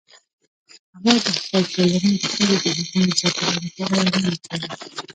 هغه د خپل ټولنې د ښځو د حقونو د ساتنې لپاره ویناوې کوي